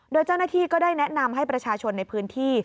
โดยเจ้าหน้าที่ก็ได้แนะนำให้ประชาชนในพื้นที่